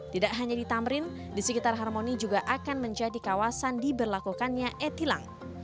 tidak hanya di tamrin di sekitar harmoni juga akan menjadi kawasan diberlakukannya e tilang